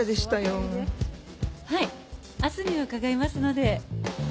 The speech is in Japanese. はい明日には伺いますので